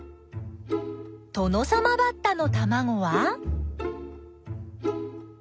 トノサマバッタのたまごは。